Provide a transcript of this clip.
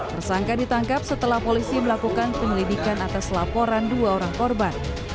tersangka ditangkap setelah polisi melakukan penyelidikan atas laporan dua orang korban